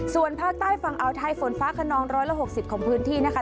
ส่วนภาคใต้ฝั่งอาวไทยฝนฟ้าขนอง๑๖๐ของพื้นที่นะคะ